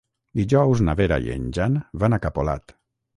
Dijous na Vera i en Jan van a Capolat.